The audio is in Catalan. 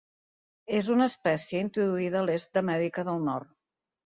És una espècie introduïda a l'est d'Amèrica del Nord.